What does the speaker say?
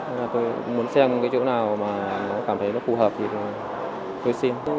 nên là tôi muốn xem cái chỗ nào mà nó cảm thấy nó phù hợp thì tôi xin